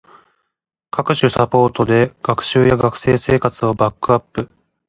各種サポートで学習や学生生活をバックアップ